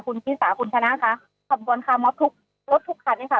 คุณชิสาคุณชนะค่ะขับบวนคาร์มอบทุกรถทุกคันเลยค่ะ